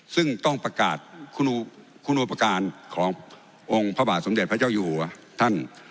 ซึ่งต้องประกาศคุณอุปการณ์ขององค์พระบาทสมเด็จพระเจ้าอยู่หัวท่าน